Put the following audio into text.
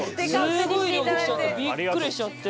すごい量で来ちゃってびっくりしちゃって。